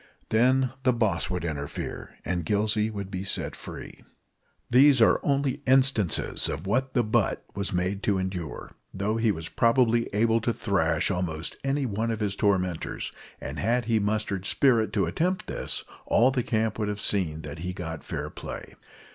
Then the boss would interfere, and Gillsey would be set free. These are only instances of what the butt was made to endure, though he was probably able to thrash almost any one of his tormentors, and had he mustered spirit to attempt this, all the camp would have seen that he got fair play.